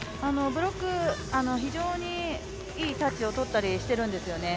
ブロック、非常にいいタッチを取ったりしてるんですよね。